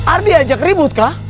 ardi ajak ribut kah